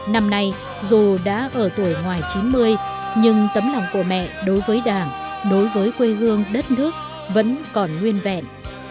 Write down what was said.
năm nay dù đã ở tuổi ngoài chín mươi nhưng tấm lòng của mẹ đối với đảng đối với quê hương đất nước vẫn còn nguyên vẹn